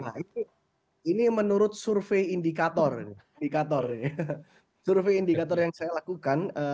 nah ini menurut survei indikator yang saya lakukan